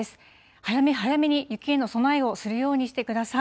早め早めに雪への備えをするようにしてください。